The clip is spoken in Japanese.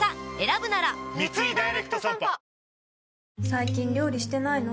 最近料理してないの？